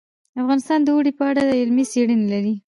افغانستان د اوړي په اړه علمي څېړنې لري.